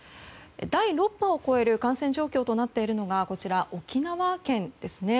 第６波を超える感染状況となっているのが沖縄県です。